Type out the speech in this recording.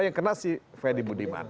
yang kena si freddy budiman